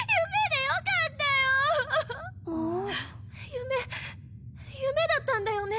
夢夢だったんだよね？